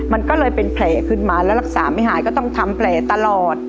มันก็เลยเป็นแผลขึ้นมาแล้วรักษาไม่หายก็ต้องทำแผลตลอด